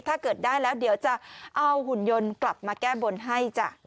ถ้าเกิดได้แล้วเดี๋ยวจะเอาหุ่นยนต์กลับมาแก้บนให้จ้ะ